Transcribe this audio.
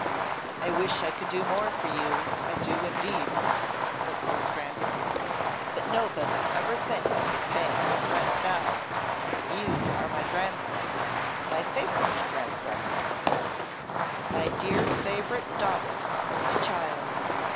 'I wish I could do more for you; I do, indeed,' said Lord Grandison; 'but nobody ever thinks of paying his rent now. You are my grandson, my favourite grandson, my dear favourite daughter's only child.